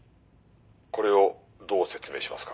「これをどう説明しますか？」